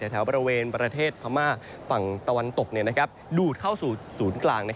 แถวบริเวณประเทศพม่าฝั่งตะวันตกดูดเข้าสู่ศูนย์กลาง